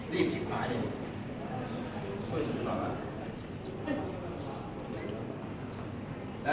รีบกินไปเลยโอ้ยสุดยอดแล้ว